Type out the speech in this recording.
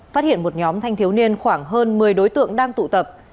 phát hiện một nhóm thanh thiếu niên khoảng hơn một mươi đối tượng đang tụ tập